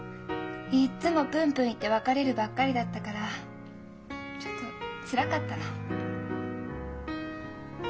いっつもプンプン言って別れるばっかりだったからちょっとつらかったの。